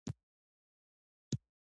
غنم او جوار په څۀ ډېريږي؟